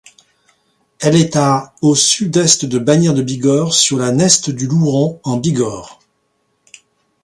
Elle est à au sud-est de Bagnères-de-Bigorre sur la Neste du Louron, en Bigorre.